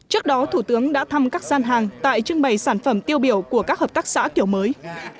trước đó thủ tướng đã thăm các gian hàng tại trưng bày sản phẩm tiêu biểu của các hợp tác xã kiểu mới